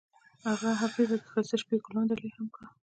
هغه هغې ته د ښایسته شپه ګلان ډالۍ هم کړل.